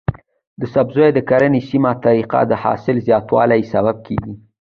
د سبزیو د کرنې سمه طریقه د حاصل زیاتوالي سبب کیږي.